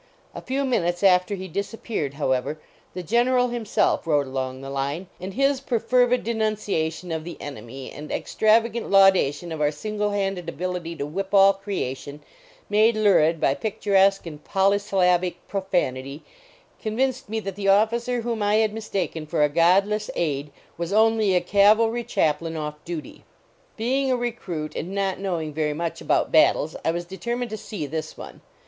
A few minutes after he disappeared, however, the general himself rode along the line, and his perfervid denunciation of the enemy and ex travagant laudation of our single handed abil ity to whip all creation, made lurid by pict uresque and polysyllabic profanity, convinced me that the officer whom I had mistaken for a godless aide was only a cavalry chaplain off duty. Being a recruit, and not knowing very much about battles, I was determined to see this one.